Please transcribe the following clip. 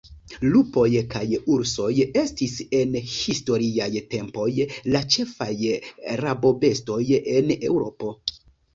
Lupoj kaj ursoj estis en historiaj tempoj la ĉefaj rabobestoj en Eŭropo.